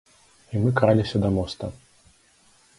І мы краліся да моста.